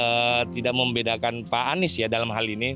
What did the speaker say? kalau aku bilang sih saya tidak membedakan pak anies ya dalam hal ini